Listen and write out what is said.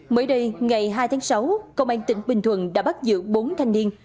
mới đây ngày hai tháng sáu công an tỉnh bình thuận đã bắt giữ bốn thanh niên